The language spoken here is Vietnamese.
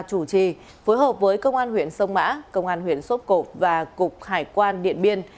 chủ trì phối hợp với công an huyện sông mã công an huyện sốp cộp và cục hải quan điện biên